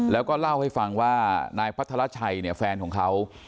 แล้วก็เล่าให้ฟังว่านายพัทรชัยเนี่ยแฟนของเขา